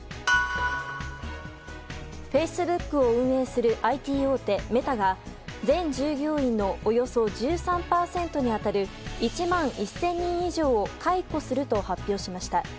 フェイスブックを運営するＩＴ大手メタが全従業員のおよそ１３％に当たる１万１０００人以上を解雇すると発表しました。